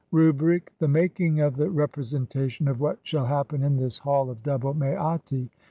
'" Rubric : (46) The making of the representation of WHAT SHALL HAPPEN IN THIS HALL OF DOUBLE MAATI.